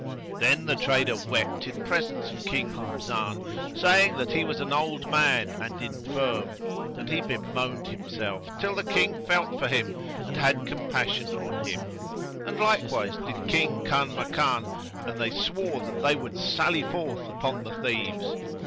Then the trader wept in presence of King Rumzan, saying that he was an old man and infirm; and he bemoaned himself till the King felt for him and had compassion on him; and likewise did King Kanmakan and they swore that they would sally forth upon the thieves.